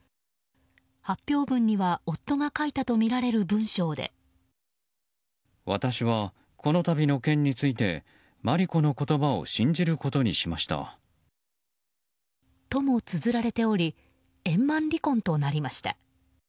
発表文には夫が書いたとみられる文章で。ともつづられており円満離婚となりました。